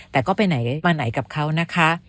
แต่ก็ไปไหนมาไหนกับเขานะคะ